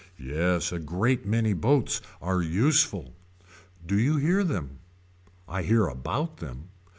Yes a great many boats are useful. Do you hear them. I hear about them.